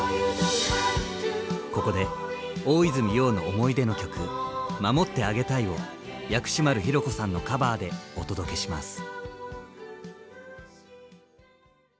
ここで大泉洋の思い出の曲「守ってあげたい」を薬師丸ひろ子さんのカバーでお届けします。